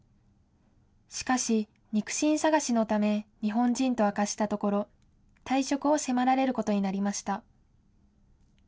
しかし、肉親捜しのため日本人と明かしたところ、退職を迫られることになりました。